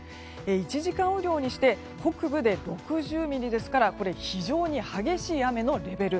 １時間雨量にして北部で６０ミリですから非常に激しい雨のレベル。